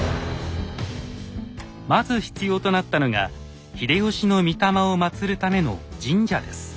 まず必要となったのが秀吉の御霊をまつるための神社です。